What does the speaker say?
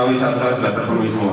lima wisatwa sudah terpenuhi semua